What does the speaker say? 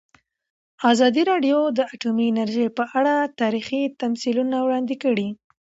ازادي راډیو د اټومي انرژي په اړه تاریخي تمثیلونه وړاندې کړي.